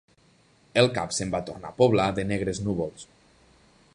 El cap se'm va tornar a poblar de negres núvols.